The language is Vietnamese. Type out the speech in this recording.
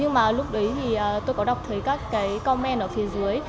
nhưng mà lúc đấy thì tôi có đọc thấy các cái commen ở phía dưới